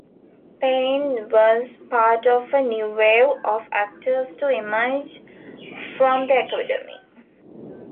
Payne was part of a 'new wave' of actors to emerge from the academy.